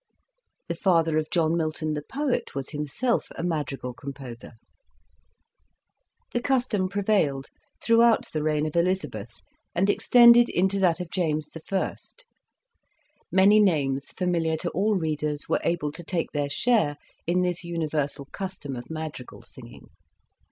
The father of John Milton the poet was himself a madrigal composer. The custom prevailed throughout the reign of Elizabeth and extended into that of James I. Many names familiar to all readers were able to take their share in this universal custom of madrigal singing.